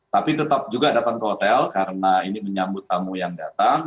tapi tetap juga datang ke hotel karena ini menyambut tamu yang datang